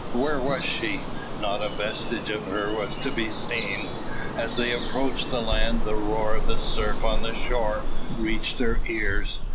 Where was she? Not a vestige of her was to be seen. As they approached the land, the roar of the surf on the shore reached their ears.